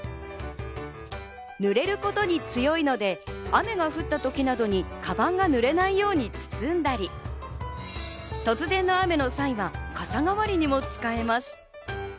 濡れることに強いので雨が降ったときなどにかばんが濡れないように包んだり、突然の雨の際は傘代わりにも使えます。